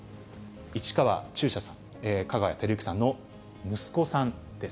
市川中車さん、香川照之さんの息子さんです。